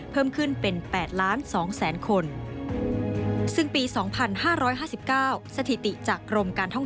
เพิ่มขึ้นเป็น